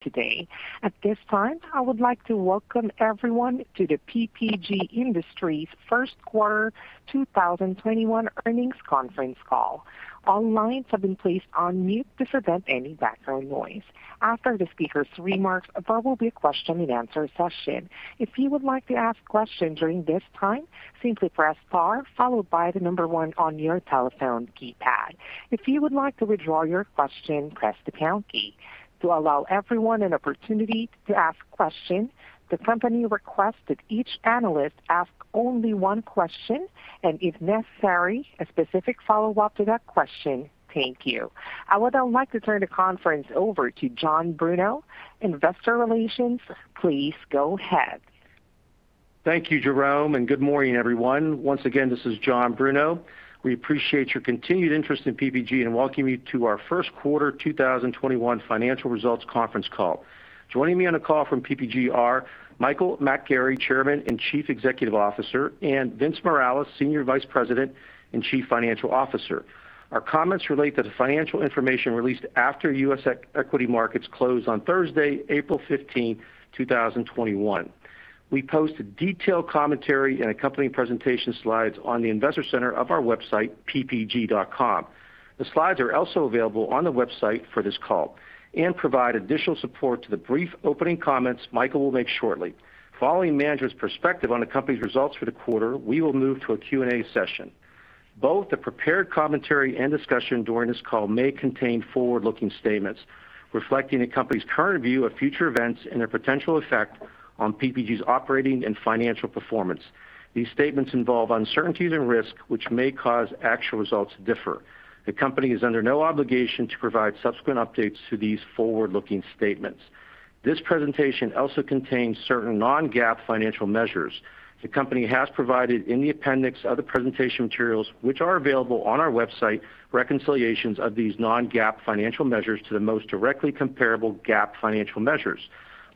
Today. At this time, I would like to welcome everyone to the PPG Industries first quarter 2021 earnings conference call. All lines have been placed on mute to prevent any background noise. After the speakers' remarks, there will be a question and answer session. If you would like to ask questions during this time, simply press star followed by the number one on your telephone keypad. If you would like to withdraw your question, press the pound key. To allow everyone an opportunity to ask questions, the company requests that each analyst ask only one question, and if necessary, a specific follow-up to that question. Thank you. I would now like to turn the conference over to John Bruno, Director, Investor Relations. Please go ahead. Thank you, Jerome, and good morning, everyone. Once again, this is John Bruno. We appreciate your continued interest in PPG and welcome you to our first quarter 2021 financial results conference call. Joining me on the call from PPG are Michael McGarry, Chairman and Chief Executive Officer, and Vince Morales, Senior Vice President and Chief Financial Officer. Our comments relate to the financial information released after U.S. equity markets closed on Thursday, April 15, 2021. We post a detailed commentary and accompanying presentation slides on the investor center of our website, ppg.com. The slides are also available on the website for this call and provide additional support to the brief opening comments Michael will make shortly. Following management's perspective on the company's results for the quarter, we will move to a Q&A session. Both the prepared commentary and discussion during this call may contain forward-looking statements reflecting the company's current view of future events and their potential effect on PPG's operating and financial performance. These statements involve uncertainties and risks, which may cause actual results to differ. The company is under no obligation to provide subsequent updates to these forward-looking statements. This presentation also contains certain non-GAAP financial measures. The company has provided in the appendix of the presentation materials, which are available on our website, reconciliations of these non-GAAP financial measures to the most directly comparable GAAP financial measures.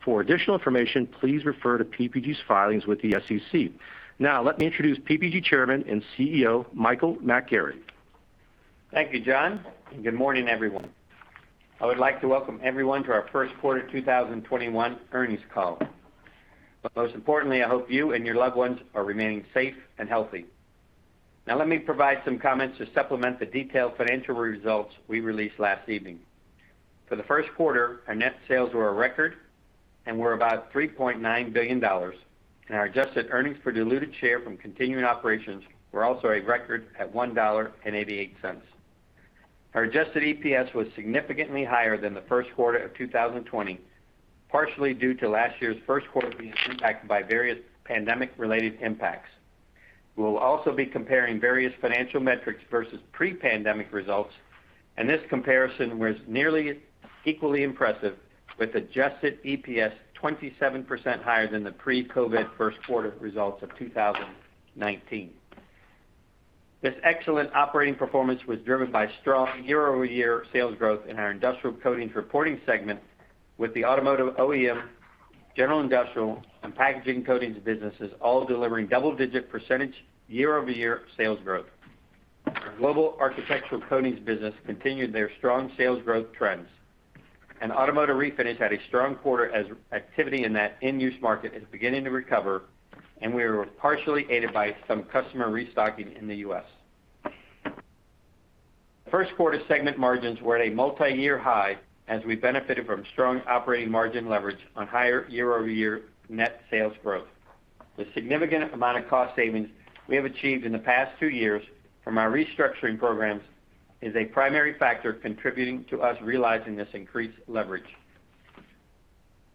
For additional information, please refer to PPG's filings with the SEC. Now, let me introduce PPG Chairman and CEO, Michael McGarry. Thank you, John, and good morning, everyone. I would like to welcome everyone to our first quarter 2021 earnings call. Most importantly, I hope you and your loved ones are remaining safe and healthy. Now let me provide some comments to supplement the detailed financial results we released last evening. For the first quarter, our net sales were a record, and were about $3.9 billion. Our adjusted earnings per diluted share from continuing operations were also a record at $1.88. Our adjusted EPS was significantly higher than the first quarter of 2020, partially due to last year's first quarter being impacted by various pandemic-related impacts. We will also be comparing various financial metrics versus pre-pandemic results, and this comparison was nearly equally impressive, with adjusted EPS 27% higher than the pre-COVID first quarter results of 2019. This excellent operating performance was driven by strong year-over-year sales growth in our Industrial Coatings reporting segment with the automotive OEM, general industrial, and packaging coatings businesses all delivering double-digit percentage year-over-year sales growth. Our global architectural coatings business continued their strong sales growth trends. Automotive refinish had a strong quarter as activity in that end-use market is beginning to recover, and we were partially aided by some customer restocking in the U.S. First quarter segment margins were at a multiyear high as we benefited from strong operating margin leverage on higher year-over-year net sales growth. The significant amount of cost savings we have achieved in the past two years from our restructuring programs is a primary factor contributing to us realizing this increased leverage.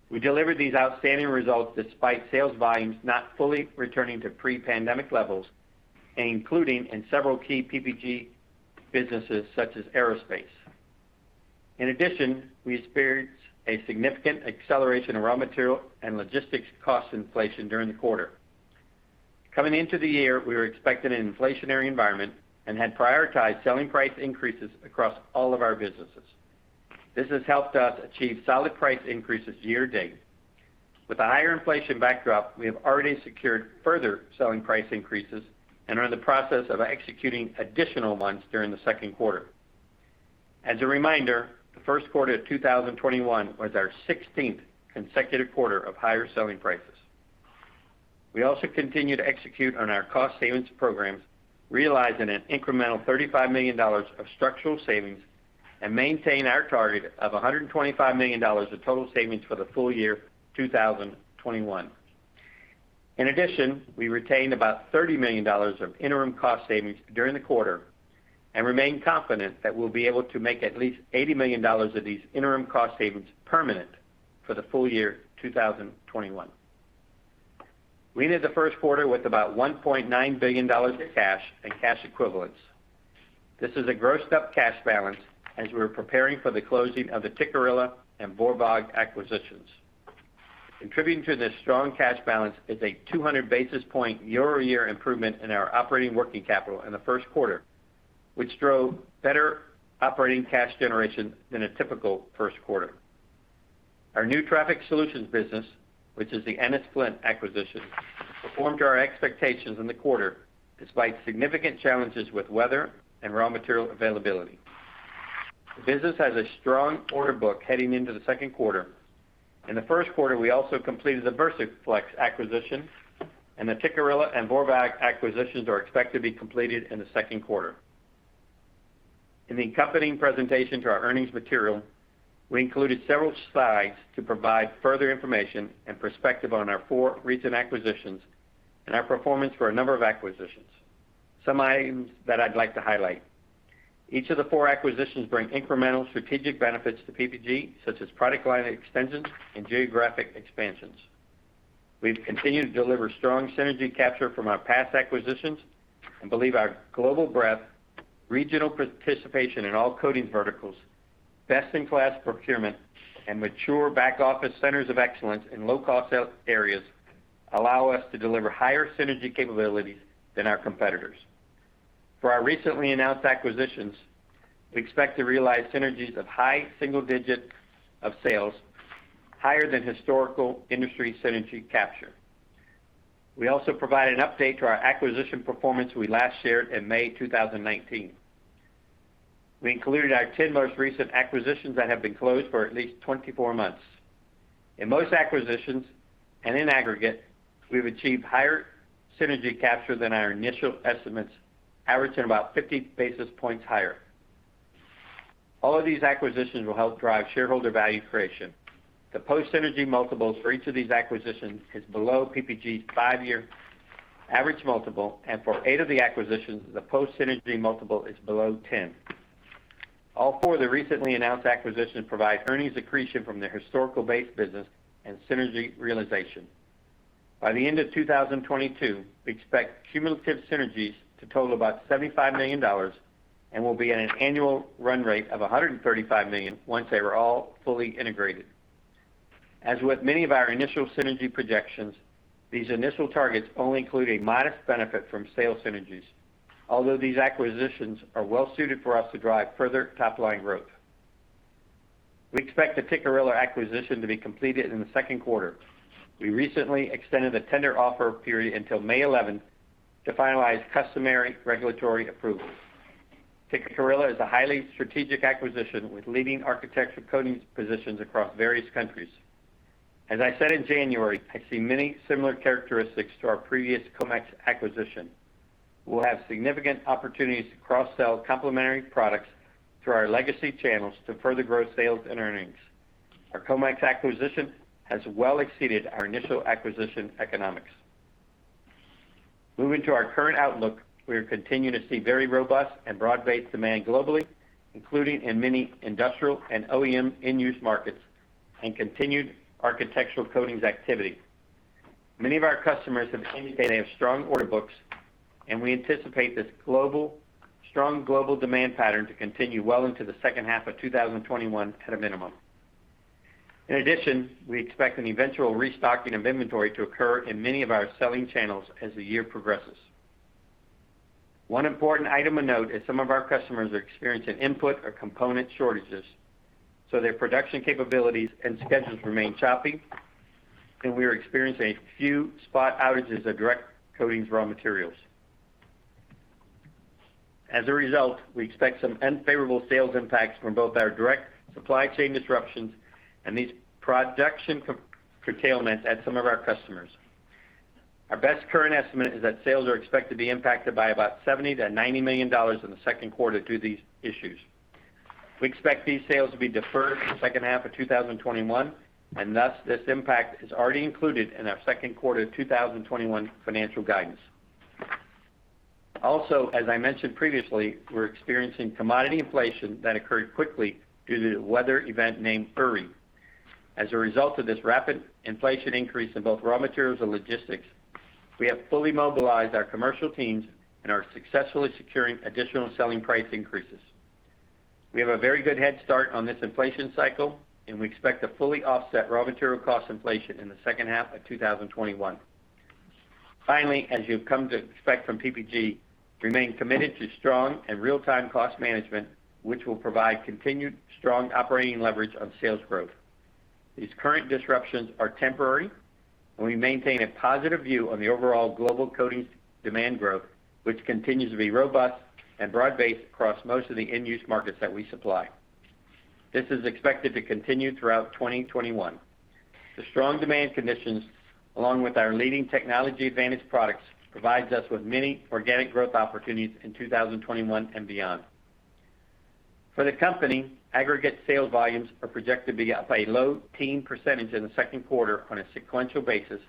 We delivered these outstanding results despite sales volumes not fully returning to pre-pandemic levels, including in several key PPG businesses such as aerospace. In addition, we experienced a significant acceleration in raw material and logistics cost inflation during the quarter. Coming into the year, we were expecting an inflationary environment and had prioritized selling price increases across all of our businesses. This has helped us achieve solid price increases year to date. With a higher inflation backdrop, we have already secured further selling price increases and are in the process of executing additional ones during the second quarter. As a reminder, the first quarter of 2021 was our 16th consecutive quarter of higher selling prices. We also continue to execute on our cost savings programs, realizing an incremental $35 million of structural savings and maintain our target of $125 million of total savings for the full year 2021. We retained about $30 million of interim cost savings during the quarter and remain confident that we'll be able to make at least $80 million of these interim cost savings permanent for the full year 2021. We ended the first quarter with about $1.9 billion in cash and cash equivalents. This is a grossed-up cash balance as we were preparing for the closing of the Tikkurila and Wörwag acquisitions. Contributing to this strong cash balance is a 200 basis points year-over-year improvement in our operating working capital in the first quarter, which drove better operating cash generation than a typical first quarter. Our new Traffic Solutions business, which is the ENNIS-FLINT acquisition performed to our expectations in the quarter, despite significant challenges with weather and raw material availability. The business has a strong order book heading into the second quarter. In the first quarter, we also completed the VersaFlex acquisition, and the Tikkurila and Wörwag acquisitions are expected to be completed in the second quarter. In the accompanying presentation to our earnings material, we included several slides to provide further information and perspective on our four recent acquisitions and our performance for a number of acquisitions. Some items that I'd like to highlight. Each of the four acquisitions bring incremental strategic benefits to PPG, such as product line extensions and geographic expansions. We've continued to deliver strong synergy capture from our past acquisitions and believe our global breadth, regional participation in all coatings verticals, best-in-class procurement, and mature back office centers of excellence in low-cost areas allow us to deliver higher synergy capabilities than our competitors. For our recently announced acquisitions, we expect to realize synergies of high single digit of sales, higher than historical industry synergy capture. We also provide an update to our acquisition performance we last shared in May 2019. We included our 10 most recent acquisitions that have been closed for at least 24 months. In most acquisitions, and in aggregate, we've achieved higher synergy capture than our initial estimates, averaging about 50 basis points higher. All of these acquisitions will help drive shareholder value creation. The post-synergy multiples for each of these acquisitions is below PPG's five-year average multiple, and for eight of the acquisitions, the post-synergy multiple is below 10. All four of the recently announced acquisitions provide earnings accretion from their historical base business and synergy realization. By the end of 2022, we expect cumulative synergies to total about $75 million and will be at an annual run rate of $135 million once they are all fully integrated. As with many of our initial synergy projections, these initial targets only include a modest benefit from sales synergies. Although these acquisitions are well suited for us to drive further top-line growth. We expect the Tikkurila acquisition to be completed in the second quarter. We recently extended the tender offer period until May 11th to finalize customary regulatory approvals. Tikkurila is a highly strategic acquisition with leading architectural coatings positions across various countries. As I said in January, I see many similar characteristics to our previous Comex acquisition. We'll have significant opportunities to cross-sell complementary products through our legacy channels to further grow sales and earnings. Our Comex acquisition has well exceeded our initial acquisition economics. Moving to our current outlook, we are continuing to see very robust and broad-based demand globally, including in many industrial and OEM end-use markets, and continued architectural coatings activity. Many of our customers have indicated they have strong order books. We anticipate this strong global demand pattern to continue well into the second half of 2021 at a minimum. In addition, we expect an eventual restocking of inventory to occur in many of our selling channels as the year progresses. One important item of note is some of our customers are experiencing input or component shortages. Their production capabilities and schedules remain choppy. We are experiencing a few spot outages of direct coatings raw materials. As a result, we expect some unfavorable sales impacts from both our direct supply chain disruptions and these production curtailments at some of our customers. Our best current estimate is that sales are expected to be impacted by about $70 million-$90 million in the second quarter due to these issues. We expect these sales to be deferred in the second half of 2021, and thus, this impact is already included in our second quarter 2021 financial guidance. Also, as I mentioned previously, we're experiencing commodity inflation that occurred quickly due to the weather event named Uri. As a result of this rapid inflation increase in both raw materials and logistics, we have fully mobilized our commercial teams and are successfully securing additional selling price increases. We have a very good head start on this inflation cycle, and we expect to fully offset raw material cost inflation in the second half of 2021. Finally, as you've come to expect from PPG, we remain committed to strong and real-time cost management, which will provide continued strong operating leverage on sales growth. These current disruptions are temporary. We maintain a positive view on the overall global coatings demand growth, which continues to be robust and broad-based across most of the end-use markets that we supply. This is expected to continue throughout 2021. The strong demand conditions, along with our leading technology advantage products, provides us with many organic growth opportunities in 2021 and beyond. For the company, aggregate sales volumes are projected to be up a low teen percentage in the second quarter on a sequential basis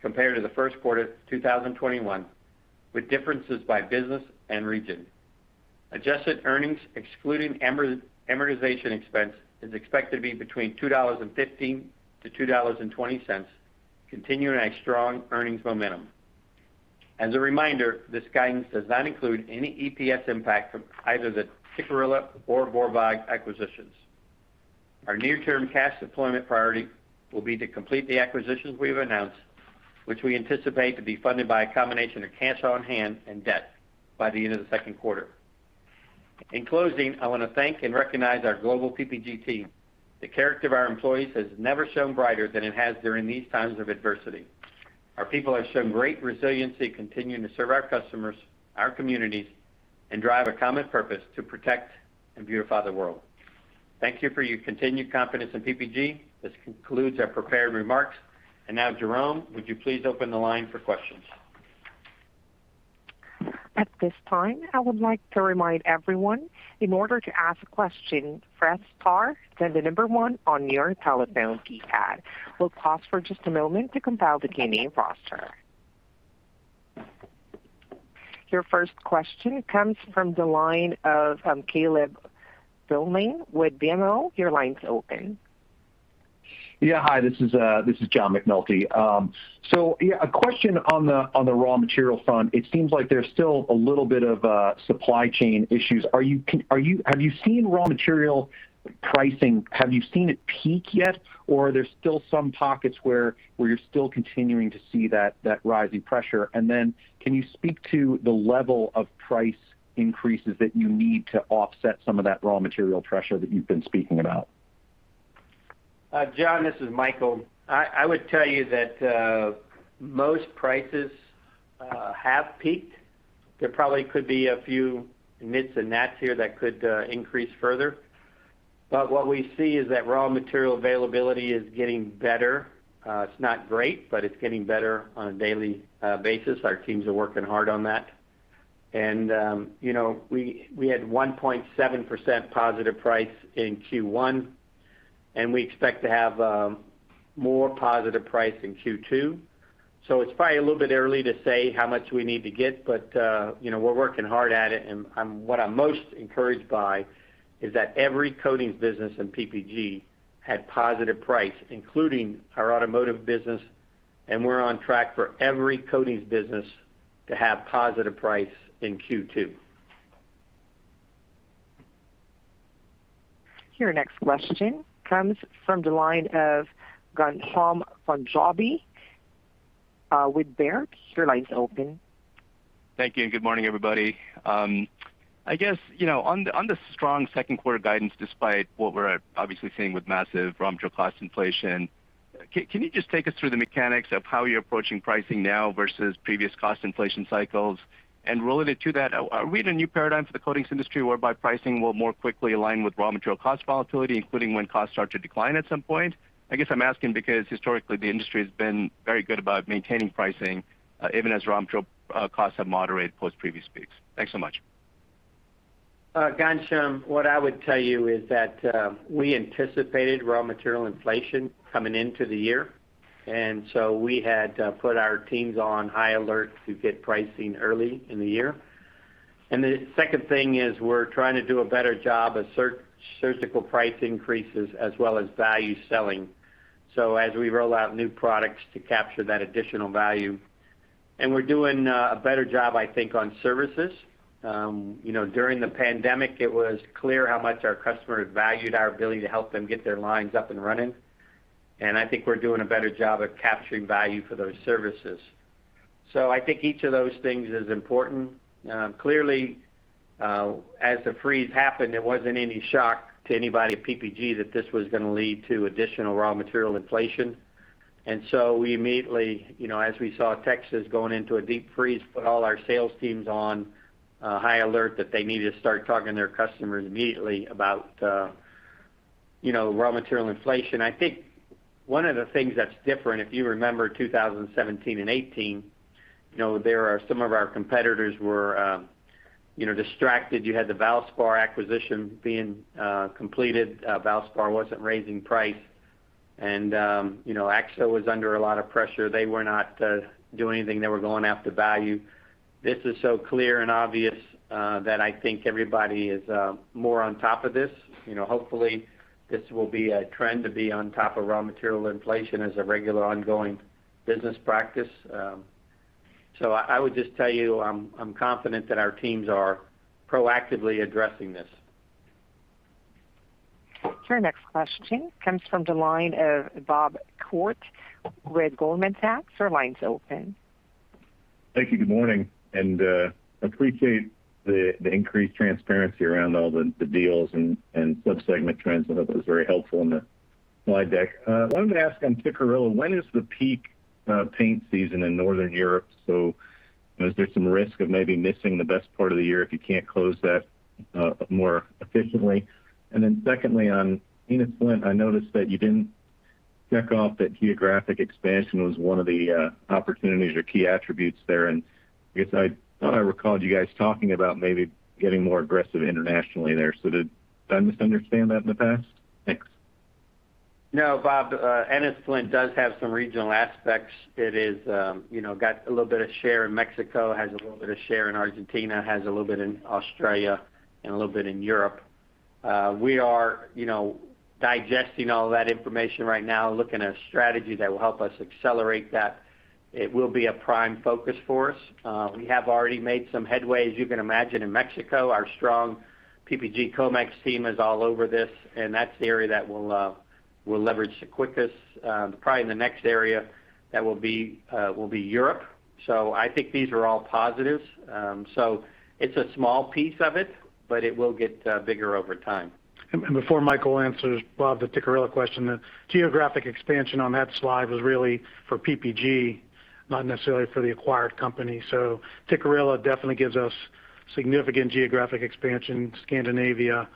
compared to the first quarter of 2021, with differences by business and region. Adjusted earnings, excluding amortization expense, is expected to be $2.15-$2.20, continuing our strong earnings momentum. As a reminder, this guidance does not include any EPS impact from either the Tikkurila or Wörwag acquisitions. Our near-term cash deployment priority will be to complete the acquisitions we've announced, which we anticipate to be funded by a combination of cash on hand and debt by the end of the second quarter. In closing, I wanna thank and recognize our global PPG team. The character of our employees has never shone brighter than it has during these times of adversity. Our people have shown great resiliency, continuing to serve our customers, our communities, and drive a common purpose to protect and beautify the world. Thank you for your continued confidence in PPG. This concludes our prepared remarks. Now, Jerome, would you please open the line for questions? At this time, I would like to remind everyone, in order to ask a question, press star, then the number one on your telephone keypad. We'll pause for just a moment to compile the attendee roster. Your first question comes from the line of [inaudible] with BMO. Your line's open. Hi, this is John McNulty. A question on the raw material front. It seems like there's still a little bit of supply chain issues. Have you seen raw material pricing peak yet? Are there still some pockets where you're still continuing to see that rising pressure? Can you speak to the level of price increases that you need to offset some of that raw material pressure that you've been speaking about? John, this is Michael. I would tell you that most prices have peaked. There probably could be a few nits and nats here that could increase further. What we see is that raw material availability is getting better. It's not great, but it's getting better on a daily basis. Our teams are working hard on that. We had 1.7% positive price in Q1, and we expect to have more positive price in Q2. It's probably a little bit early to say how much we need to get, but we're working hard at it. What I'm most encouraged by is that every coatings business in PPG had positive price, including our automotive business. We're on track for every coatings business to have positive price in Q2. Your next question comes from the line of Ghansham Panjabi with Baird. Your line's open. Thank you. Good morning, everybody. I guess, on the strong second quarter guidance, despite what we're obviously seeing with massive raw material cost inflation, can you just take us through the mechanics of how you're approaching pricing now versus previous cost inflation cycles? Related to that, are we in a new paradigm for the coatings industry, whereby pricing will more quickly align with raw material cost volatility, including when costs start to decline at some point? I guess I'm asking because historically, the industry has been very good about maintaining pricing, even as raw material costs have moderated post previous peaks. Thanks so much. Ghansham, what I would tell you is that we anticipated raw material inflation coming into the year. We had put our teams on high alert to get pricing early in the year. The second thing is we're trying to do a better job of surgical price increases as well as value selling as we roll out new products to capture that additional value. We're doing a better job, I think, on services. During the pandemic, it was clear how much our customers valued our ability to help them get their lines up and running. I think we're doing a better job at capturing value for those services. I think each of those things is important. Clearly, as the freeze happened, it wasn't any shock to anybody at PPG that this was gonna lead to additional raw material inflation. We immediately, as we saw Texas going into a deep freeze, put all our sales teams on high alert that they needed to start talking to their customers immediately about raw material inflation. I think one of the things that's different, if you remember 2017 and 2018, some of our competitors were distracted. You had the Valspar acquisition being completed. Valspar wasn't raising price. AkzoNobel was under a lot of pressure. They were not doing anything. They were going after value. This is so clear and obvious that I think everybody is more on top of this. Hopefully, this will be a trend to be on top of raw material inflation as a regular ongoing business practice. I would just tell you, I'm confident that our teams are proactively addressing this. Your next question comes from the line of Bob Koort, with Goldman Sachs. Your line's open. Thank you. Good morning. I appreciate the increased transparency around all the deals and sub-segment trends. I thought that was very helpful in the slide deck. I wanted to ask on Tikkurila, when is the peak paint season in Northern Europe? Is there some risk of maybe missing the best part of the year if you can't close that more efficiently? Secondly, on ENNIS-FLINT, I noticed that you didn't check off that geographic expansion was one of the opportunities or key attributes there. I guess I thought I recalled you guys talking about maybe getting more aggressive internationally there. Did I misunderstand that in the past? Thanks. No, Bob. ENNIS-FLINT does have some regional aspects. It got a little bit of share in Mexico, has a little bit of share in Argentina, has a little bit in Australia, and a little bit in Europe. We are digesting all that information right now, looking at a strategy that will help us accelerate that. It will be a prime focus for us. We have already made some headway. As you can imagine, in Mexico, our strong PPG Comex team is all over this, and that's the area that we'll leverage the quickest. Probably the next area that will be Europe. I think these are all positives. It's a small piece of it, but it will get bigger over time. Before Michael answers Bob the Tikkurila question, the geographic expansion on that slide was really for PPG, not necessarily for the acquired company. Tikkurila definitely gives us significant geographic expansion in Scandinavia,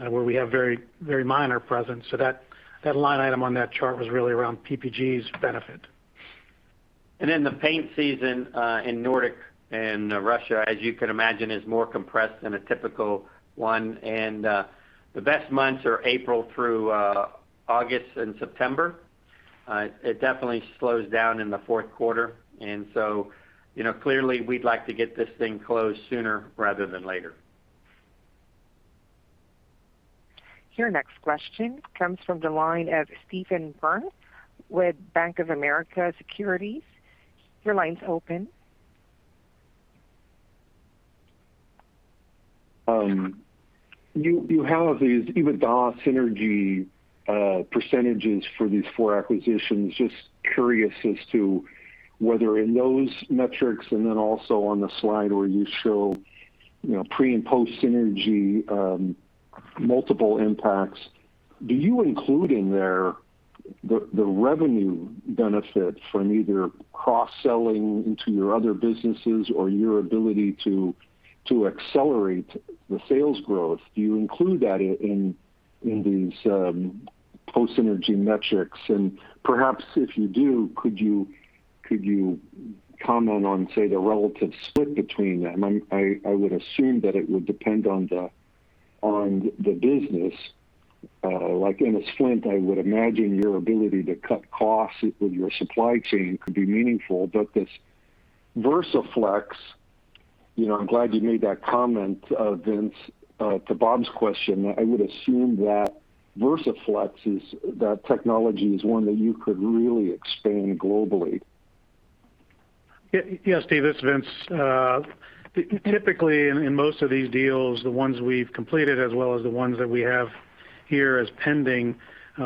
where we have very minor presence. That line item on that chart was really around PPG's benefit. The paint season, in Nordic and Russia, as you can imagine, is more compressed than a typical one. The best months are April through August and September. It definitely slows down in the fourth quarter. Clearly we'd like to get this thing closed sooner rather than later. Your next question comes from the line of Stephen Byrne with Bank of America Securities. Your line's open. You have these EBITDA synergy percentages for these four acquisitions. Just curious as to whether in those metrics and then also on the slide where you show pre and post synergy, multiple impacts, do you include in there the revenue benefit from either cross-selling into your other businesses or your ability to accelerate the sales growth? Do you include that in these post synergy metrics? Perhaps if you do, could you comment on, say, the relative split between them? I would assume that it would depend on the business. Like in ENNIS-FLINT, I would imagine your ability to cut costs with your supply chain could be meaningful. This VersaFlex, I'm glad you made that comment, Vince, to Bob's question. I would assume that VersaFlex is, that technology is one that you could really expand globally. Yes, Steve, it's Vince. Typically, in most of these deals, the ones we've completed as well as the ones that we have here as pending,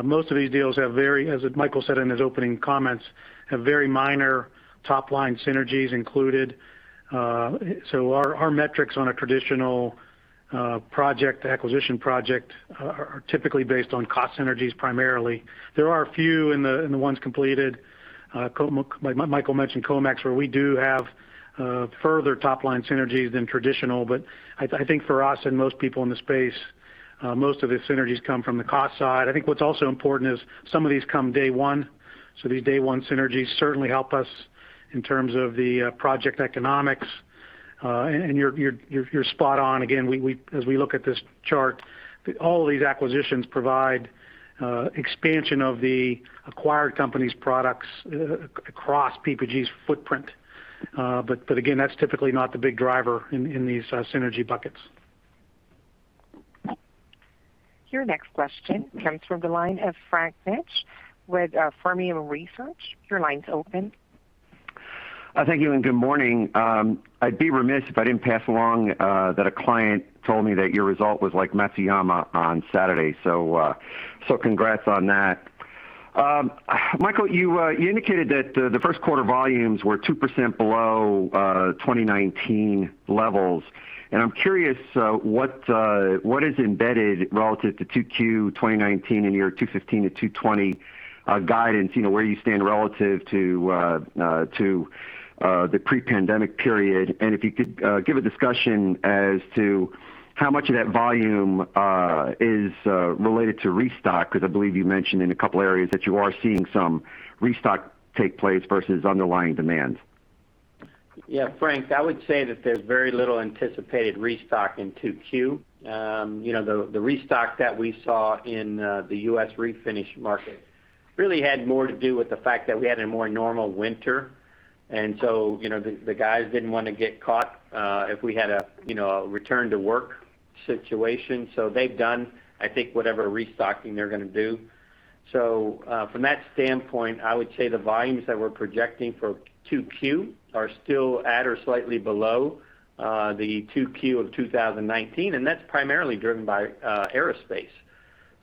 most of these deals have very, as Michael said in his opening comments, have very minor top-line synergies included. Our metrics on a traditional project, acquisition project, are typically based on cost synergies primarily. There are a few in the ones completed, Michael mentioned Comex, where we do have further top-line synergies than traditional. I think for us and most people in the space, most of the synergies come from the cost side. I think what's also important is some of these come day one. These day-one synergies certainly help us in terms of the project economics. You're spot on. Again, as we look at this chart, all of these acquisitions provide expansion of the acquired company's products across PPG's footprint. Again, that's typically not the big driver in these synergy buckets. Your next question comes from the line of Frank Mitsch with Fermium Research. Your line's open. Thank you. Good morning. I'd be remiss if I didn't pass along that a client told me that your result was like Matsuyama on Saturday. Congrats on that. Michael, you indicated that the first quarter volumes were 2% below 2019 levels. I'm curious, what is embedded relative to 2Q 2019 in your $2.15-$2.20 guidance, where you stand relative to the pre-pandemic period, and if you could give a discussion as to how much of that volume is related to restock, because I believe you mentioned in a couple areas that you are seeing some restock take place versus underlying demand. Yeah, Frank, I would say that there's very little anticipated restock in 2Q. The restock that we saw in the U.S. refinish market really had more to do with the fact that we had a more normal winter. The guys didn't want to get caught, if we had a return-to-work situation. They've done, I think, whatever restocking they're gonna do. From that standpoint, I would say the volumes that we're projecting for 2Q are still at or slightly below the 2Q of 2019, and that's primarily driven by aerospace.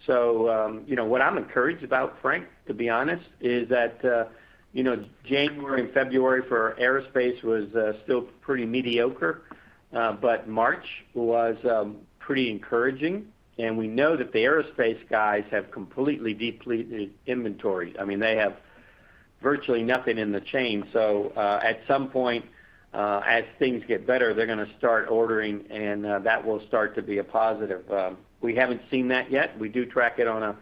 What I'm encouraged about, Frank, to be honest, is that January and February for aerospace was still pretty mediocre. March was pretty encouraging. We know that the aerospace guys have completely depleted inventory. They have virtually nothing in the chain. At some point, as things get better, they're gonna start ordering and that will start to be a positive. We haven't seen that yet. We do track it on a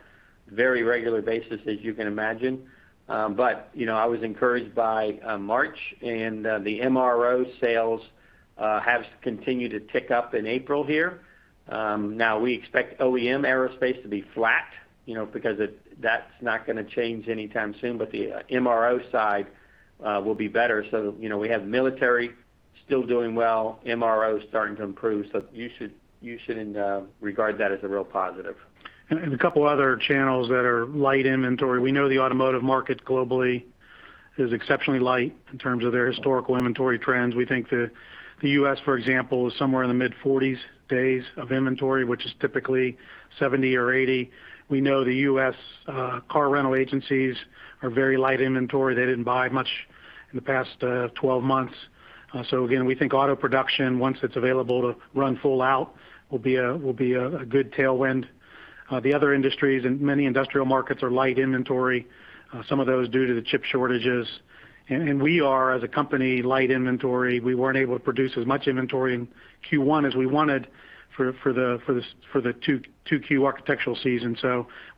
very regular basis, as you can imagine. I was encouraged by March, and the MRO sales have continued to tick up in April here. Now we expect OEM aerospace to be flat, because that's not gonna change anytime soon. The MRO side will be better. We have military still doing well. MRO is starting to improve, so you should regard that as a real positive. A couple other channels that are light inventory. We know the automotive market globally is exceptionally light in terms of their historical inventory trends. We think that the U.S., for example, is somewhere in the mid-40s days of inventory, which is typically 70 or 80. We know the U.S. car rental agencies are very light inventory. They didn't buy much in the past 12 months. Again, we think auto production, once it's available to run full out, will be a good tailwind. The other industries and many industrial markets are light inventory, some of those due to the chip shortages. We are, as a company, light inventory. We weren't able to produce as much inventory in Q1 as we wanted for the 2Q architectural season.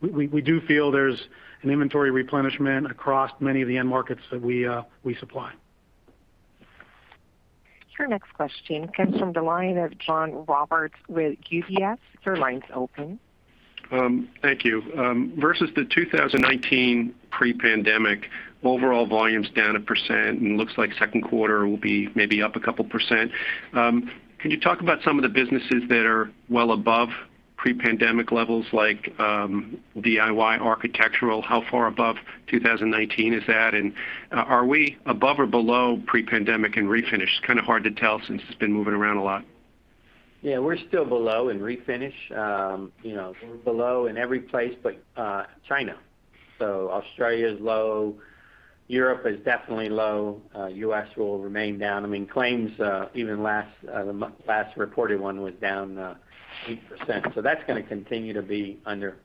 We do feel there's an inventory replenishment across many of the end markets that we supply. Your next question comes from the line of John Roberts with UBS. Your line's open. Thank you. Versus the 2019 pre-pandemic, overall volume's down 1%. Looks like second quarter will be maybe up 2%. Can you talk about some of the businesses that are well above pre-pandemic levels, like DIY architectural, how far above 2019 is that? Are we above or below pre-pandemic in Refinish? Kind of hard to tell since it's been moving around a lot. We're still below in Refinish. We're below in every place but China. Australia's low, Europe is definitely low, U.S. will remain down. Claims, even the last reported one was down 8%, that's going to continue to be under.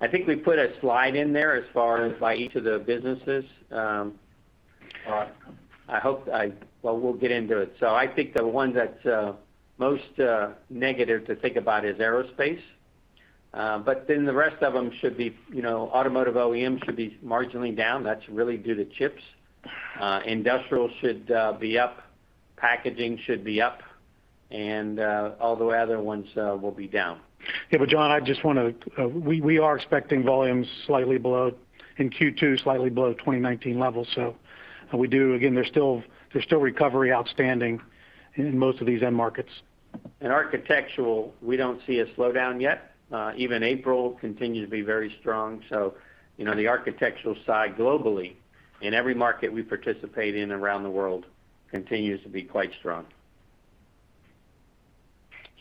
I think we put a slide in there as far as by each of the businesses. We'll get into it. I think the one that's most negative to think about is aerospace. The rest of them should be, automotive OEMs should be marginally down. That's really due to chips. Industrial should be up, packaging should be up, all the other ones will be down. Yeah. John, we are expecting volumes in Q2 slightly below 2019 levels. Again, there's still recovery outstanding in most of these end markets. In architectural, we don't see a slowdown yet. Even April continued to be very strong. The architectural side globally in every market we participate in around the world continues to be quite strong.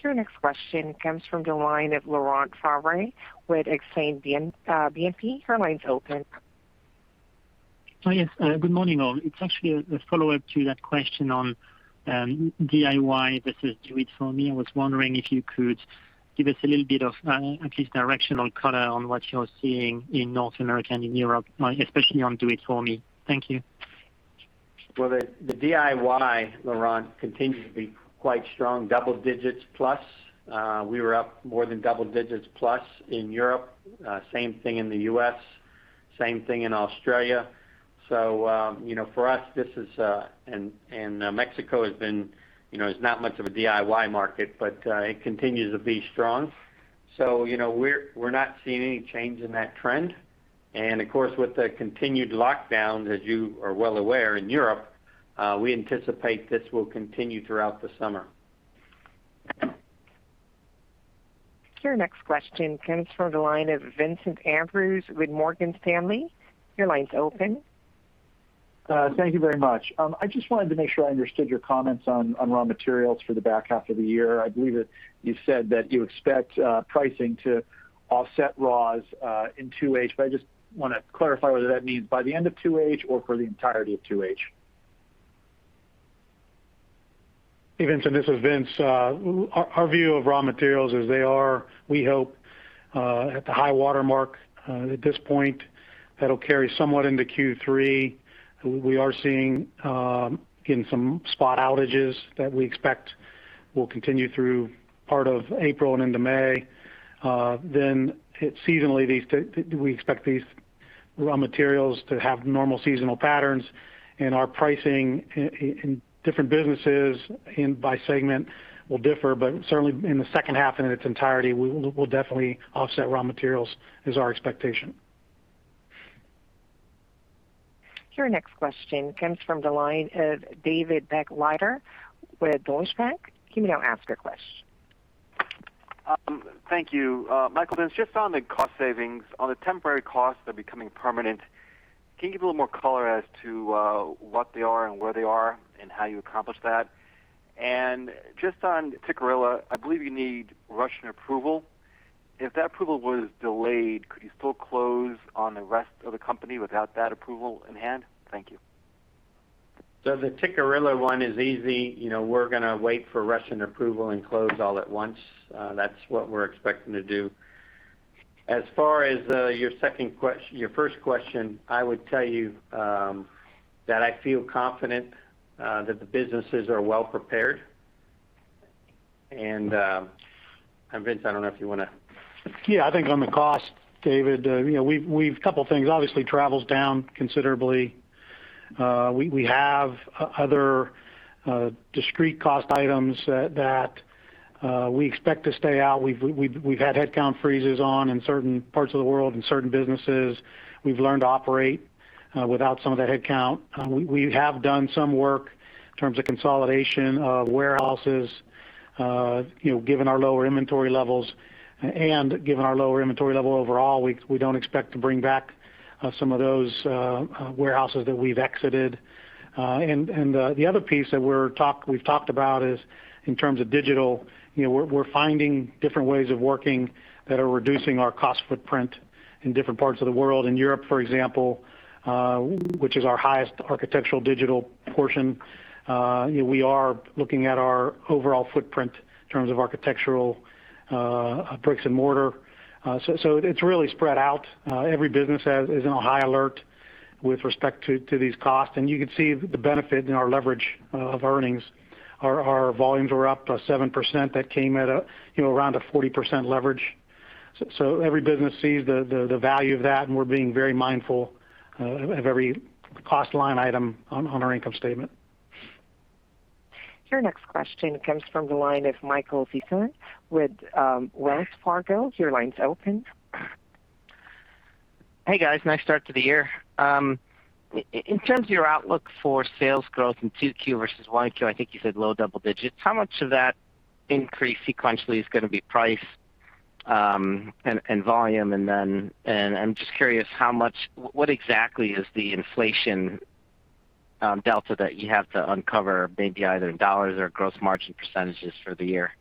Your next question comes from the line of Laurent Favre with Exane BNP. Your line's open. Oh, yes. Good morning, all. It's actually a follow-up to that question on DIY versus do it for me. I was wondering if you could give us a little bit of at least directional color on what you're seeing in North America and in Europe, especially on do it for me. Thank you. Well, the DIY, Laurent, continued to be quite strong, double digits plus. We were up more than double digits plus in Europe. Same thing in the U.S., same thing in Australia. Mexico is not much of a DIY market, but it continues to be strong. We're not seeing any change in that trend. Of course, with the continued lockdowns, as you are well aware in Europe, we anticipate this will continue throughout the summer. Your next question comes from the line of Vincent Andrews with Morgan Stanley. Your line's open. Thank you very much. I just wanted to make sure I understood your comments on raw materials for the back half of the year. I believe that you said that you expect pricing to offset raws in 2H, but I just want to clarify whether that means by the end of 2H or for the entirety of 2H. Hey, Vincent, this is Vince. Our view of raw materials is they are, we hope, at the high watermark at this point. That'll carry somewhat into Q3. We are seeing again some spot outages that we expect will continue through part of April and into May. Seasonally, we expect these raw materials to have normal seasonal patterns and our pricing in different businesses and by segment will differ, but certainly in the second half in its entirety, we'll definitely offset raw materials, is our expectation. Your next question comes from the line of David Begleiter with Deutsche Bank. You may now ask your question. Thank you. Michael and Vince, just on the cost savings. On the temporary costs that are becoming permanent, can you give a little more color as to what they are and where they are and how you accomplish that? Just on Tikkurila, I believe you need Russian approval. If that approval was delayed, could you still close on the rest of the company without that approval in hand? Thank you. The Tikkurila one is easy. We're going to wait for Russian approval and close all at once. That's what we're expecting to do. As far as your first question, I would tell you that I feel confident that the businesses are well-prepared. Vince, I don't know if you want to. I think on the cost, David, a couple of things. Travel's down considerably. We have other discrete cost items that we expect to stay out. We've had headcount freezes on in certain parts of the world, in certain businesses. We've learned to operate without some of that headcount. We have done some work in terms of consolidation of warehouses. Given our lower inventory levels and given our lower inventory level overall, we don't expect to bring back some of those warehouses that we've exited. The other piece that we've talked about is in terms of digital. We're finding different ways of working that are reducing our cost footprint in different parts of the world. In Europe, for example, which is our highest architectural digital portion, we are looking at our overall footprint in terms of architectural bricks and mortar. It's really spread out. Every business is on a high alert with respect to these costs. You can see the benefit in our leverage of earnings. Our volumes were up by 7%. That came at around a 40% leverage. Every business sees the value of that, and we're being very mindful of every cost line item on our income statement. Your next question comes from the line of Michael Sison with Wells Fargo. Your line's open. Hey, guys. Nice start to the year. In terms of your outlook for sales growth in 2Q versus 1Q, I think you said low double digits. How much of that increase sequentially is going to be price and volume? I'm just curious, what exactly is the inflation delta that you have to uncover, maybe either in dollars or gross margin percentage for the year?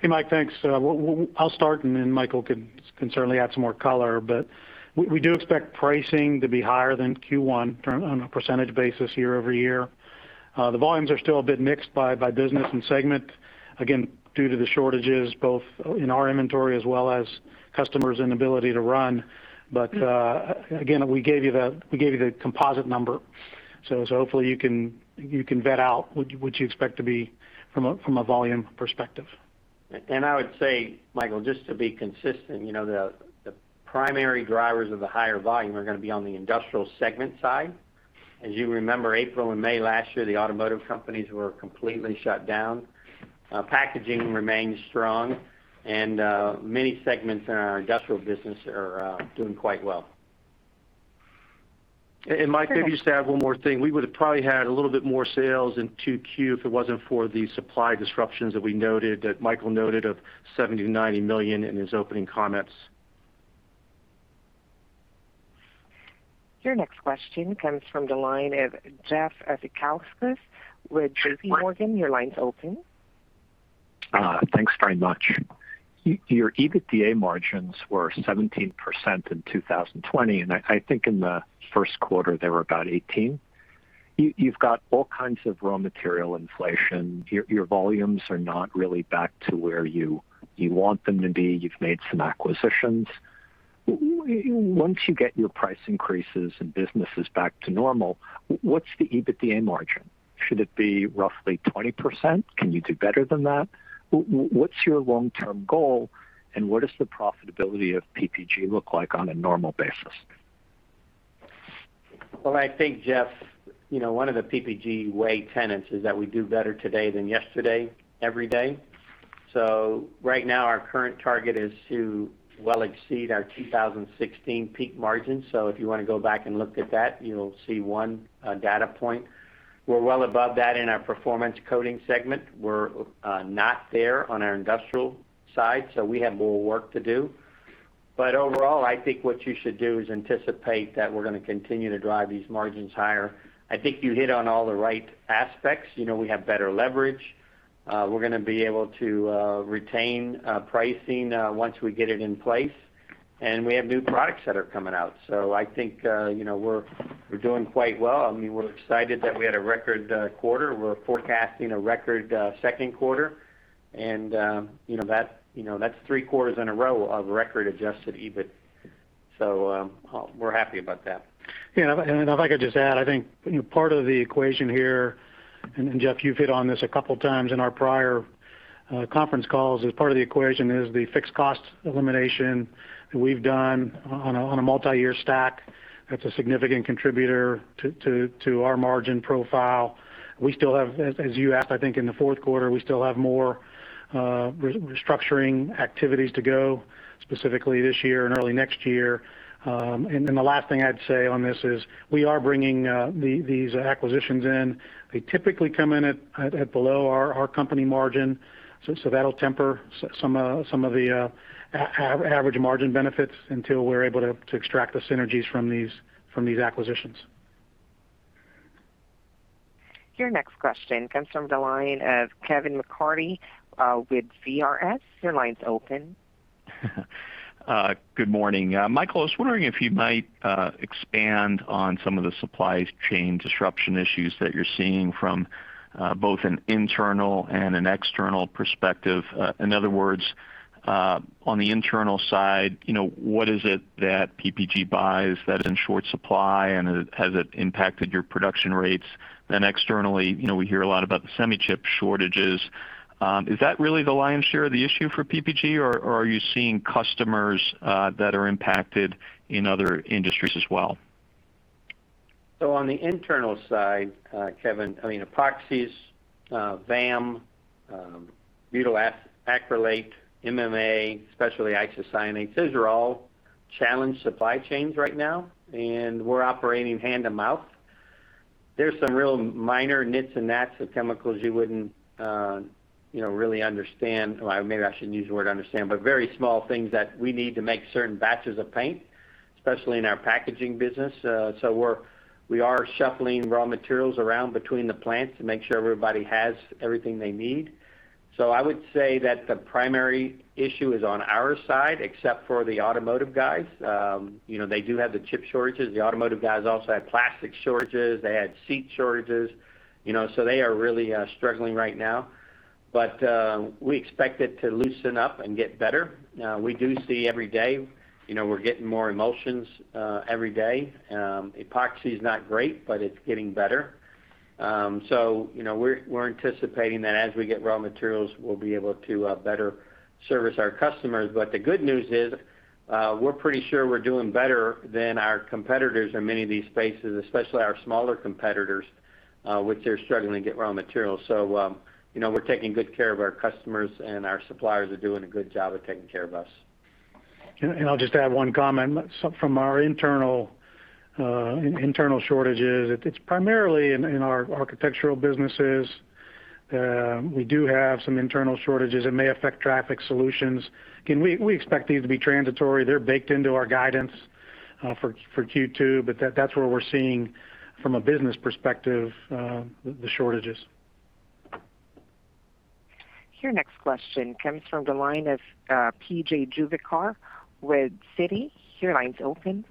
Hey, Mike. Thanks. I'll start, and then Michael can certainly add some more color. We do expect pricing to be higher than Q1 on a percentage basis year-over-year. The volumes are still a bit mixed by business and segment. Again, due to the shortages, both in our inventory as well as customers' inability to run. Again, we gave you the composite number. Hopefully you can vet out what you expect to be from a volume perspective. I would say, Michael, just to be consistent, the primary drivers of the higher volume are going to be on the Industrial segment side. As you remember, April and May last year, the automotive companies were completely shut down. Packaging remains strong, and many segments in our Industrial business are doing quite well. Mike, maybe just to add one more thing. We would have probably had a little bit more sales in 2Q if it wasn't for the supply disruptions that Michael noted of $70 million-$90 million in his opening comments. Your next question comes from the line of Jeff Zekauskas with JPMorgan. Your line is open. Thanks very much. Your EBITDA margins were 17% in 2020, and I think in the first quarter, they were about 18%. You've got all kinds of raw material inflation. Your volumes are not really back to where you want them to be. You've made some acquisitions. Once you get your price increases and businesses back to normal, what's the EBITDA margin? Should it be roughly 20%? Can you do better than that? What's your long-term goal, and what does the profitability of PPG look like on a normal basis? Well, I think, Jeff, one of the PPG way tenets is that we do better today than yesterday, every day. So right now, our current target is to well exceed our 2016 peak margin. So if you want to go back and look at that, you'll see one data point. We're well above that in our Performance Coatings segment. We're not there on our Industrial side, so we have more work to do. But overall, I think what you should do is anticipate that we're going to continue to drive these margins higher. I think you hit on all the right aspects. We have better leverage. We're going to be able to retain pricing once we get it in place, and we have new products that are coming out. So I think we're doing quite well. We're excited that we had a record quarter. We're forecasting a record second quarter, and that's three quarters in a row of record-adjusted EBIT. We're happy about that. Yeah. If I could just add, I think part of the equation here, and Jeff, you've hit on this a couple times in our prior conference calls, is part of the equation is the fixed cost elimination that we've done on a multi-year stack. That's a significant contributor to our margin profile. As you asked, I think in the fourth quarter, we still have more restructuring activities to go, specifically this year and early next year. The last thing I'd say on this is we are bringing these acquisitions in. They typically come in at below our company margin. That'll temper some of the average margin benefits until we're able to extract the synergies from these acquisitions. Your next question comes from the line of Kevin McCarthy with VRS. Your line's open. Good morning. Michael, I was wondering if you might expand on some of the supply chain disruption issues that you're seeing from both an internal and an external perspective. In other words, on the internal side, what is it that PPG buys that is in short supply, and has it impacted your production rates? Externally, we hear a lot about the semi-chip shortages. Is that really the lion's share of the issue for PPG, or are you seeing customers that are impacted in other industries as well? On the internal side, Kevin, epoxies, VAM, butyl acrylate, MMA, specialty isocyanates, those are all challenged supply chains right now, and we're operating hand-to-mouth. There's some real minor nits and nats of chemicals you wouldn't really understand. Maybe I shouldn't use the word understand, but very small things that we need to make certain batches of paint, especially in our packaging business. We are shuffling raw materials around between the plants to make sure everybody has everything they need. I would say that the primary issue is on our side, except for the automotive guys. They do have the chip shortages. The automotive guys also had plastic shortages, they had seat shortages. They are really struggling right now. We expect it to loosen up and get better. We do see every day, we're getting more emulsions every day. Epoxy's not great, but it's getting better. We're anticipating that as we get raw materials, we'll be able to better service our customers. The good news is, we're pretty sure we're doing better than our competitors in many of these spaces, especially our smaller competitors, which they're struggling to get raw materials. We're taking good care of our customers, and our suppliers are doing a good job of taking care of us. I'll just add one comment. From our internal shortages, it's primarily in our architectural businesses. We do have some internal shortages that may affect Traffic Solutions. We expect these to be transitory. They're baked into our guidance for Q2. That's where we're seeing, from a business perspective, the shortages. Your next question comes from the line of PJ Juvekar with Citi. Your line's open.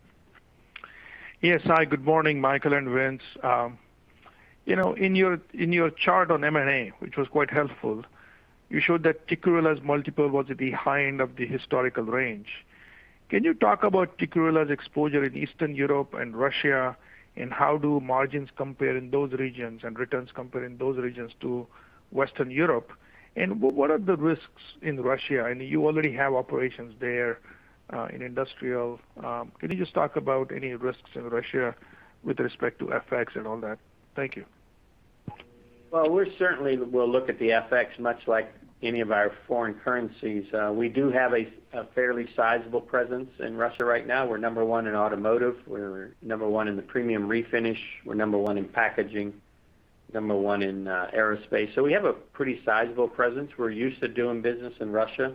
Yes, hi. Good morning, Michael and Vince. In your chart on M&A, which was quite helpful, you showed that Tikkurila's multiple was at the high end of the historical range. Can you talk about Tikkurila's exposure in Eastern Europe and Russia, and how do margins compare in those regions, and returns compare in those regions to Western Europe? What are the risks in Russia? I know you already have operations there in Industrial. Can you just talk about any risks in Russia with respect to FX and all that? Thank you. Well, we certainly will look at the FX much like any of our foreign currencies. We do have a fairly sizable presence in Russia right now. We're number one in automotive. We're number one in the premium refinish. We're number one in packaging, number 1 in aerospace. We have a pretty sizable presence. We're used to doing business in Russia.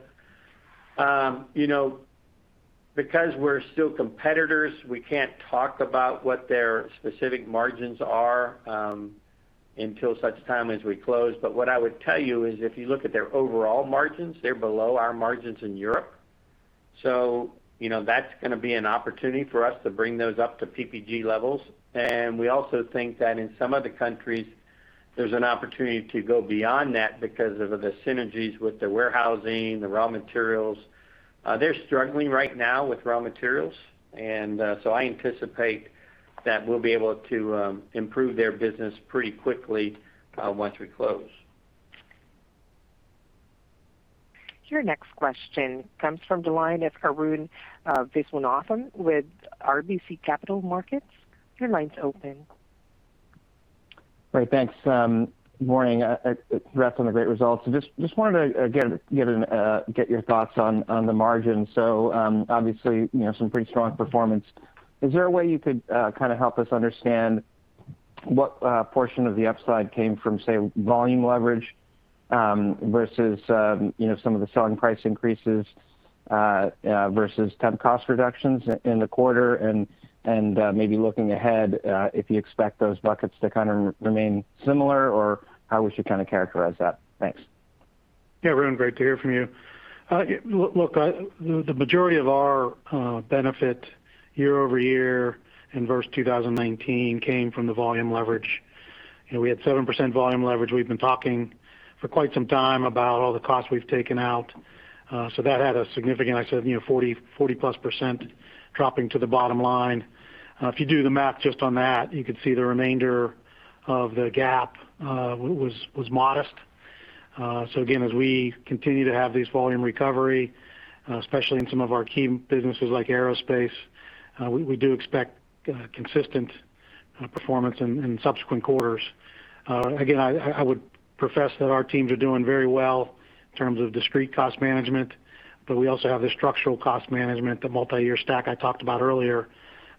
We're still competitors, we can't talk about what their specific margins are until such time as we close. What I would tell you is, if you look at their overall margins, they're below our margins in Europe. That's going to be an opportunity for us to bring those up to PPG levels. We also think that in some of the countries, there's an opportunity to go beyond that because of the synergies with the warehousing, the raw materials. They're struggling right now with raw materials. I anticipate that we'll be able to improve their business pretty quickly once we close. Your next question comes from the line of Arun Viswanathan with RBC Capital Markets. Your line's open. Great. Thanks. Good morning. Congrats on the great results. Just wanted to, again, get your thoughts on the margin. Obviously, some pretty strong performance. Is there a way you could kind of help us understand what portion of the upside came from, say, volume leverage versus some of the selling price increases, versus temp cost reductions in the quarter? Maybe looking ahead, if you expect those buckets to kind of remain similar, or how we should kind of characterize that. Thanks. Arun, great to hear from you. The majority of our benefit year-over-year versus 2019 came from the volume leverage. We had 7% volume leverage. We've been talking for quite some time about all the costs we've taken out. That had a significant, like I said, 40%+ dropping to the bottom line. If you do the math just on that, you could see the remainder of the gap was modest. Again, as we continue to have these volume recovery, especially in some of our key businesses like aerospace, we do expect consistent performance in subsequent quarters. I would profess that our teams are doing very well in terms of discrete cost management, but we also have the structural cost management, the multi-year stack I talked about earlier,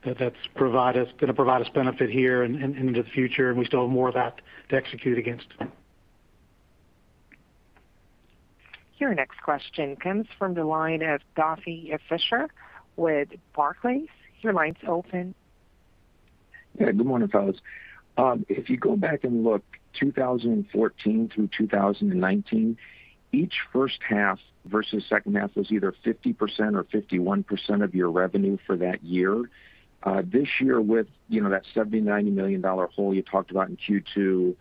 that's going to provide us benefit here and into the future, and we still have more of that to execute against. Your next question comes from the line of Duffy Fischer with Barclays. Your line's open. Yeah, good morning, fellas. If you go back and look 2014 through 2019, each first half versus second half was either 50% or 51% of your revenue for that year. This year with that $70 million, $90 million hole you talked about in Q2,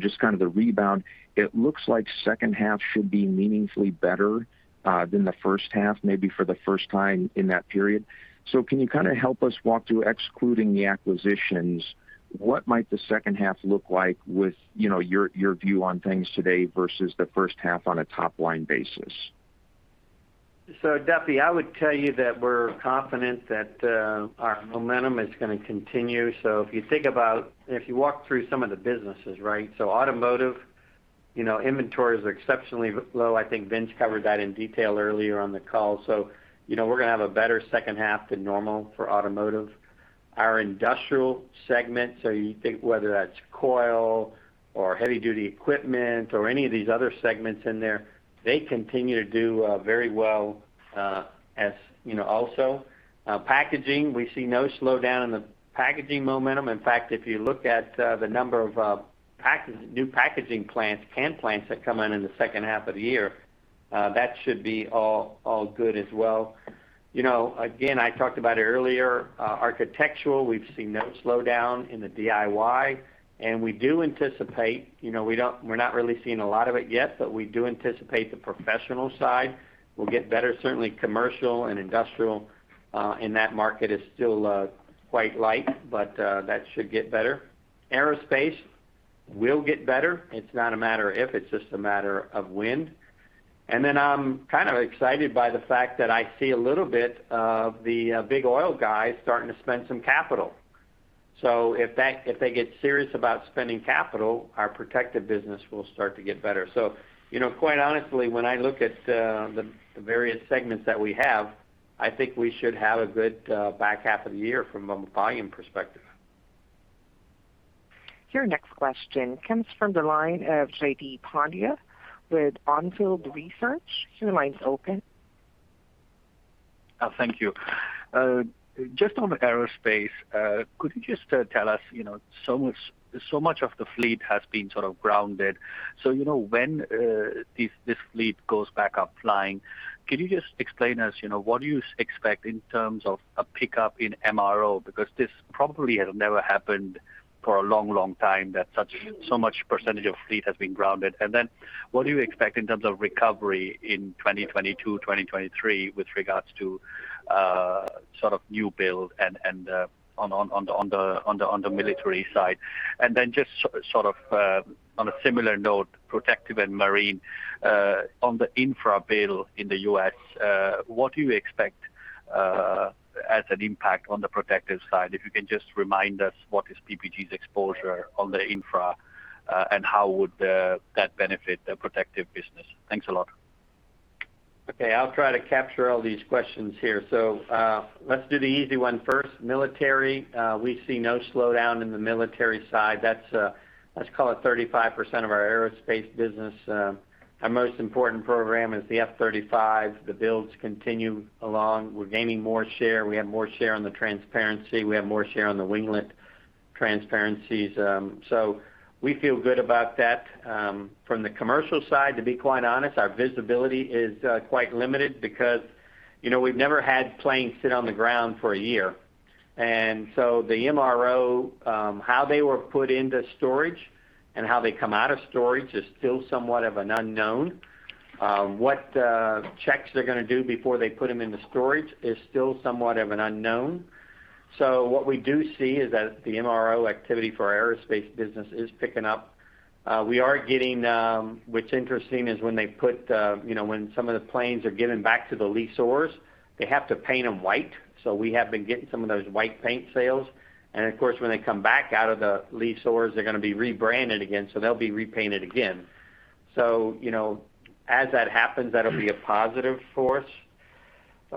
just kind of the rebound, it looks like second half should be meaningfully better than the first half, maybe for the first time in that period. Can you kind of help us walk through, excluding the acquisitions, what might the second half look like with your view on things today versus the first half on a top-line basis? Duffy, I would tell you that we're confident that our momentum is going to continue. If you walk through some of the businesses, right? Automotive, inventory is exceptionally low. I think Vince covered that in detail earlier on the call. We're going to have a better second half than normal for automotive. Our Industrial segments, so you think whether that's coil or heavy duty equipment or any of these other segments in there, they continue to do very well. Also, packaging, we see no slowdown in the packaging momentum. In fact, if you look at the number of new packaging plants, can plants that come in the second half of the year, that should be all good as well. Again, I talked about it earlier, architectural, we've seen no slowdown in the DIY, we do anticipate, we're not really seeing a lot of it yet, we do anticipate the professional side will get better. Certainly, commercial and industrial, that market is still quite light, that should get better. aerospace will get better. It's not a matter of if, it's just a matter of when. I'm kind of excited by the fact that I see a little bit of the big oil guys starting to spend some capital. If they get serious about spending capital, our protective business will start to get better. Quite honestly, when I look at the various segments that we have, I think we should have a good back half of the year from a volume perspective. Your next question comes from the line of JP Pandya with On Field Investment Research. Your line's open. Thank you. Just on the aerospace, could you just tell us, so much of the fleet has been sort of grounded. When this fleet goes back up flying, can you just explain us, what do you expect in terms of a pickup in MRO? Because this probably has never happened for a long time that so much percentage of fleet has been grounded. What do you expect in terms of recovery in 2022, 2023 with regards to sort of new build and on the military side? Just sort of, on a similar note, Protective and Marine, on the infra bill in the U.S., what do you expect as an impact on the Protective side? If you can just remind us what is PPG's exposure on the infra, and how would that benefit the Protective business? Thanks a lot. Okay, I'll try to capture all these questions here. Let's do the easy one first. Military, we see no slowdown in the military side. That's, let's call it 35% of our aerospace business. Our most important program is the F-35. The builds continue along. We're gaining more share. We have more share on the transparency. We have more share on the winglet transparencies. We feel good about that. From the commercial side, to be quite honest, our visibility is quite limited because we've never had planes sit on the ground for a year. The MRO, how they were put into storage and how they come out of storage is still somewhat of an unknown. What checks they're going to do before they put them into storage is still somewhat of an unknown. What we do see is that the MRO activity for our aerospace business is picking up. What's interesting is when some of the planes are given back to the leasers, they have to paint them white. We have been getting some of those white paint sales. Of course, when they come back out of the leasers, they're going to be rebranded again, so they'll be repainted again. As that happens, that'll be a positive force.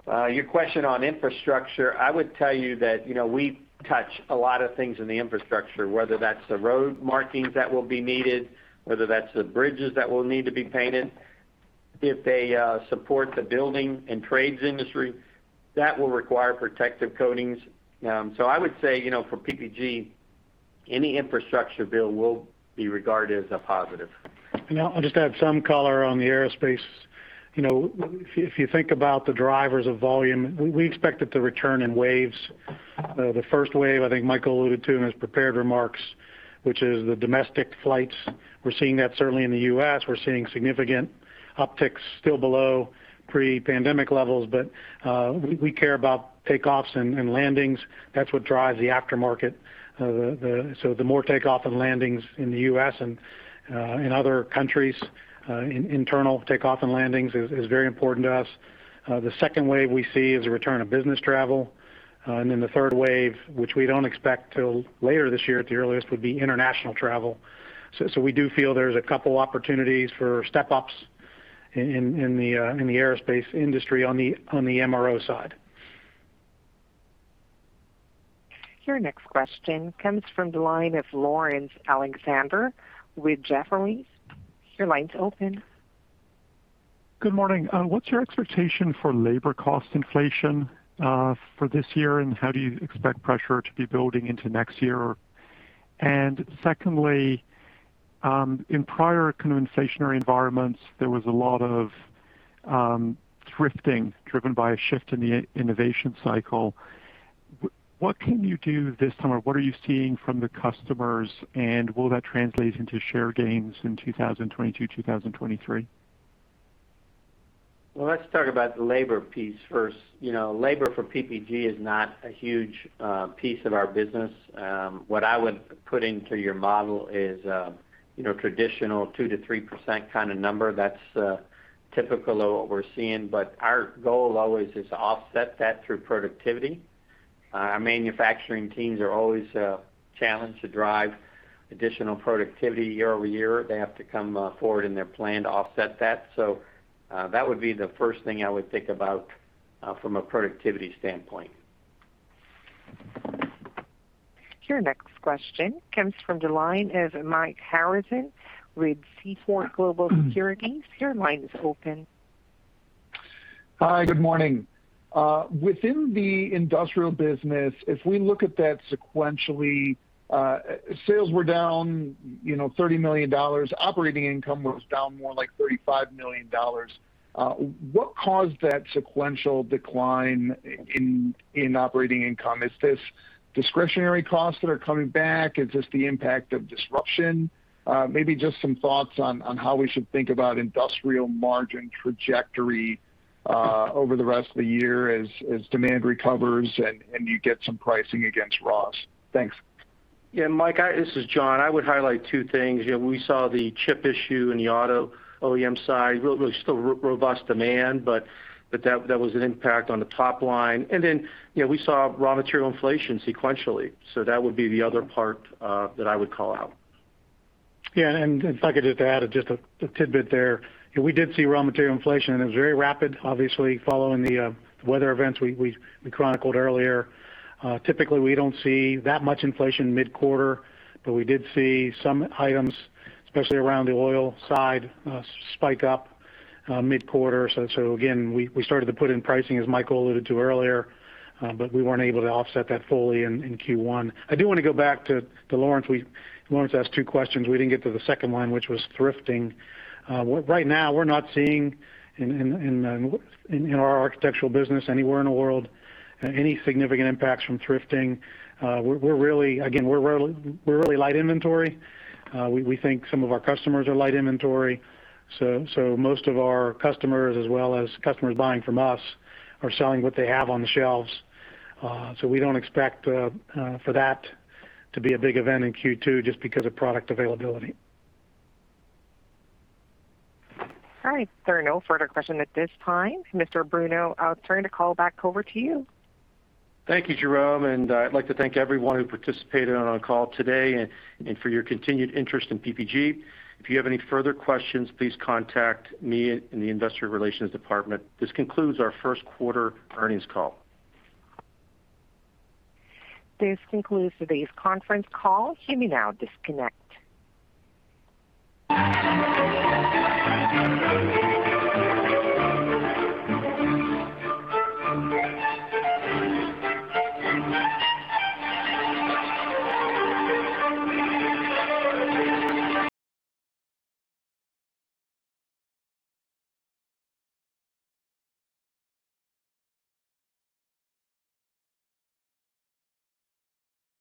Your question on infrastructure, I would tell you that we touch a lot of things in the infrastructure, whether that's the road markings that will be needed, whether that's the bridges that will need to be painted. If they support the building and trades industry, that will require protective coatings. I would say, for PPG, any infrastructure bill will be regarded as a positive. I'll just add some color on the aerospace. If you think about the drivers of volume, we expect it to return in waves. The first wave, I think Michael alluded to in his prepared remarks, which is the domestic flights. We're seeing that certainly in the U.S. We're seeing significant upticks still below pre-pandemic levels. We care about takeoffs and landings. That's what drives the aftermarket. The more takeoff and landings in the U.S. and in other countries, internal takeoff and landings is very important to us. The second wave we see is a return of business travel. The third wave, which we don't expect till later this year at the earliest, would be international travel. We do feel there's a couple opportunities for step-ups in the aerospace industry on the MRO side. Your next question comes from the line of Laurence Alexander with Jefferies. Your line's open. Good morning. What's your expectation for labor cost inflation for this year, and how do you expect pressure to be building into next year? Secondly, in prior kind of inflationary environments, there was a lot of thrifting driven by a shift in the innovation cycle. What can you do this time, or what are you seeing from the customers, and will that translate into share gains in 2022, 2023? Well, let's talk about the labor piece first. Labor for PPG is not a huge piece of our business. What I would put into your model is traditional 2%-3% kind of number. That's typical of what we're seeing. Our goal always is to offset that through productivity. Our manufacturing teams are always challenged to drive additional productivity year-over-year. They have to come forward in their plan to offset that. That would be the first thing I would think about from a productivity standpoint. Your next question comes from the line of Mike Harrison with Seaport Global Securities. Your line is open. Hi, good morning. Within the Industrial business, if we look at that sequentially, sales were down $30 million. Operating income was down more like $35 million. What caused that sequential decline in operating income? Is this discretionary costs that are coming back? Is this the impact of disruption? Maybe just some thoughts on how we should think about Industrial margin trajectory over the rest of the year as demand recovers and you get some pricing against raws. Thanks. Yeah, Mike, this is John. I would highlight two things. We saw the chip issue in the auto OEM side. Really still robust demand, but that was an impact on the top line. We saw raw material inflation sequentially. That would be the other part that I would call out. If I could just add just a tidbit there. We did see raw material inflation. It was very rapid, obviously, following the weather events we chronicled earlier. Typically, we don't see that much inflation mid-quarter. We did see some items, especially around the oil side, spike up mid-quarter. Again, we started to put in pricing, as Mike alluded to earlier. We weren't able to offset that fully in Q1. I do want to go back to Laurence. Laurence asked two questions. We didn't get to the second one, which was thrifting. Right now, we're not seeing, in our architectural business anywhere in the world, any significant impacts from thrifting. Again, we're really light inventory. We think some of our customers are light inventory. Most of our customers, as well as customers buying from us, are selling what they have on the shelves. We don't expect for that to be a big event in Q2 just because of product availability. All right. There are no further questions at this time. Mr. Bruno, I'll turn the call back over to you. Thank you, Jerome, and I'd like to thank everyone who participated on our call today and for your continued interest in PPG. If you have any further questions, please contact me in the investor relations department. This concludes our first quarter earnings call. This concludes today's conference call. You may now disconnect.